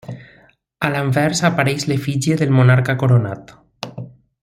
A l'anvers apareix l'efígie del monarca coronat.